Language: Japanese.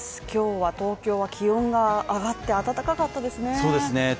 今日は東京は気温が上がって暖かかったですね。